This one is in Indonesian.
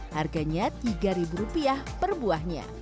harganya tiga rupiah per buahnya